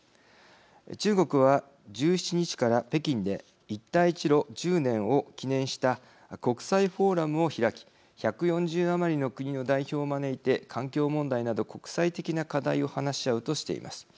中国は、１７日から北京で一帯一路１０年を記念した国際フォーラムを開き１４０余りの国の代表を招いて環境問題など国際的な課題を話し合うとしています。